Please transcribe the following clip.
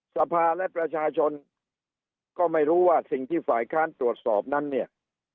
สภาและประชาชนก็ไม่รู้ว่าสิ่งที่ฝ่ายค้านตรวจสอบนั้นเนี่ย